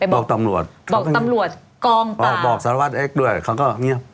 บอกตำรวจบอกตำรวจกองออกบอกสารวัตรเอ็กซด้วยเขาก็เงียบ